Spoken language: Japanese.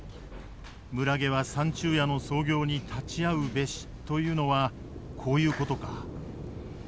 村下は三昼夜の操業に立ち会うべしというのはこういうことか。